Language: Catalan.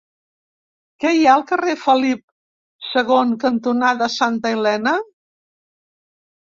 Què hi ha al carrer Felip II cantonada Santa Elena?